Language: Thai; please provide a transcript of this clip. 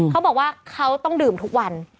เขาบอกว่าเขาต้องดื่มทุกวัน